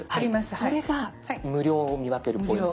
それが無料を見分けるポイントです。